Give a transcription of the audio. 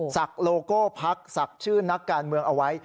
โลโก้พักศักดิ์ชื่อนักการเมืองเอาไว้